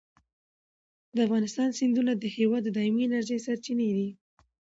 د افغانستان سیندونه د هېواد د دایمي انرژۍ سرچینې دي.